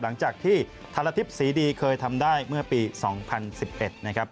หลังจากที่ธรทิพย์ศรีดีเคยทำได้เมื่อปี๒๐๑๑นะครับ